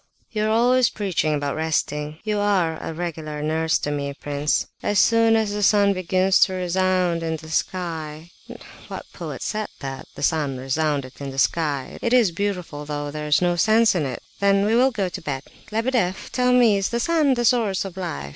"You are always preaching about resting; you are a regular nurse to me, prince. As soon as the sun begins to 'resound' in the sky—what poet said that? 'The sun resounded in the sky.' It is beautiful, though there's no sense in it!—then we will go to bed. Lebedeff, tell me, is the sun the source of life?